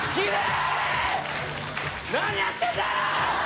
何やってんだよ！